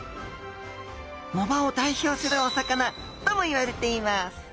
藻場を代表するお魚ともいわれています。